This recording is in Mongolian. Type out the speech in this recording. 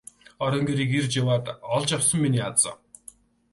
Орон гэрийг эрж яваад олж явсан миний аз.